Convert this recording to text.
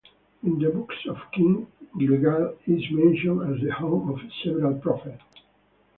In the Books of Kings, "Gilgal" is mentioned as the home of several prophets.